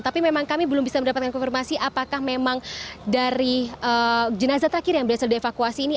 tapi memang kami belum bisa mendapatkan konfirmasi apakah memang dari jenazah terakhir yang berhasil dievakuasi ini